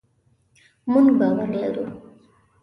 مونږ باور لرو